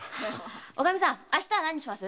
おカミさん明日は何にします？